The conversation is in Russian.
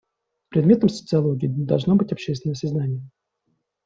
Предметом социологии должно быть общественное сознание.